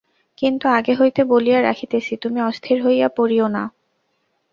কিন্তু আগে হইতে বলিয়া রাখিতেছি, তুমি অস্থির হইয়া পড়িয়ো না।